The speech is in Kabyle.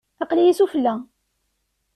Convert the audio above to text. Aql-iyi sufella.